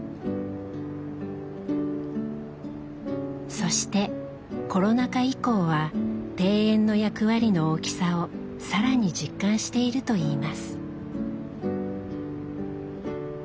そしてコロナ禍以降は庭園の役割の大きさを更に実感しているといいます。